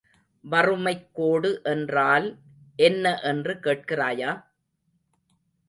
வறுமைக்கோடு என்றால் என்ன என்று கேட்கிறாயா?